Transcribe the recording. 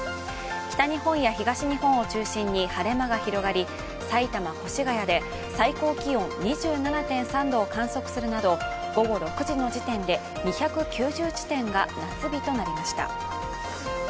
北日本や東日本を中心に晴れ間が広がり、埼玉・越谷で最高気温２７．３度を観測するなど午後６時の時点で２９０地点が夏日となりました。